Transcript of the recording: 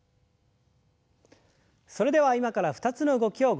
それでは今から２つの動きをご紹介します。